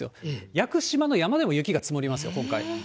屋久島の山でも雪が積もりますよ、今回。